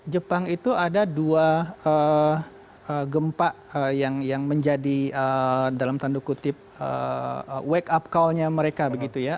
jepang itu ada dua gempa yang menjadi dalam tanda kutip wake up callnya mereka begitu ya